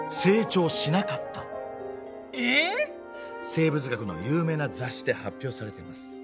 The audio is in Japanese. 生物学の有名な雑誌で発表されてます。